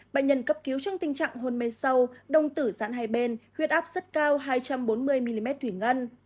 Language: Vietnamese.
bệnh nhân cấp cứu trong tình trạng hôn mê sâu đông tử dạn hai bên huyết áp rất cao hai trăm bốn mươi mm thủy ngân